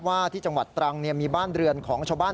ว่าที่จังหวัดตรังมีบ้านเรือนของชาวบ้าน